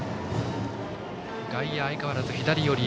外野は相変わらず左寄り。